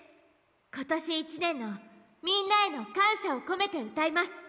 今年１年のみんなへの感謝を込めて歌います。